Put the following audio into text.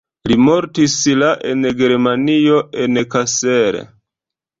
Li mortis la en Germanio en Kassel.